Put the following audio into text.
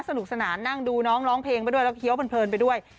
สนุกสนานนั่งดูน้องร้องเพลงไปด้วยแล้วเคี้ยวเพลินไปด้วย